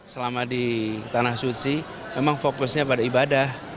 selama di tanah suci memang fokusnya pada ibadah